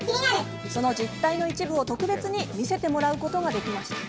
その実態の一部を、特別に見せてもらうことができました。